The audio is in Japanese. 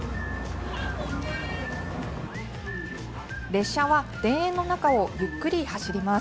列車は田園の中をゆっくり走ります。